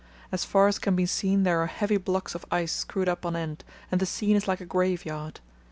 As far as can be seen there are heavy blocks of ice screwed up on end, and the scene is like a graveyard.